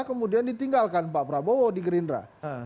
kemudian ditinggalkan pak prabowo di gerindra